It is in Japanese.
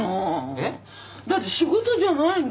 えっ？だって仕事じゃないんでしょ？